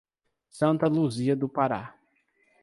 Santa Luzia do Pará